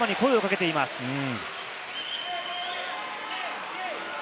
仲間に声をかけています。